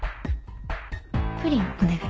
プリンお願い。